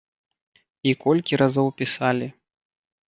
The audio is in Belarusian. І колькі разоў пісалі.